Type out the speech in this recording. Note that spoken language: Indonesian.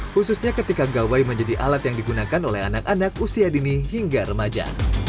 khususnya ketika gawai menjadi alat yang digunakan oleh anak anak usia dini hingga remaja